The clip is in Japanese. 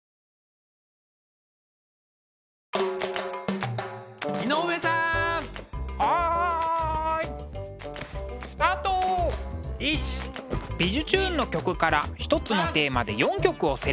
「びじゅチューン！」の曲から一つのテーマで４曲をセレクト。